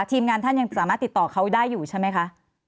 ทีมงานท่านยังสามารถติดต่อเขาได้อยู่ใช่ไหมคะ